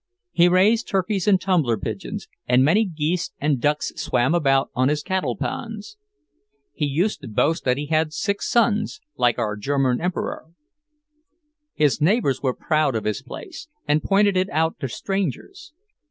He raised turkeys and tumbler pigeons, and many geese and ducks swam about on his cattleponds. He used to boast that he had six sons, "like our German Emperor." His neighbours were proud of his place, and pointed it out to strangers.